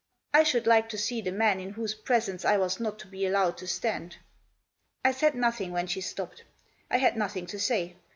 I should like to see the man in whose presence I was not to be allowed to stand. I said nothing when she stopped ; I had nothing to say.